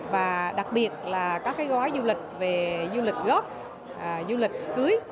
và đặc biệt là các cái gói du lịch về du lịch góp du lịch cưới